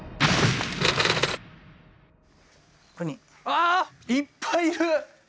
ああいっぱいいる！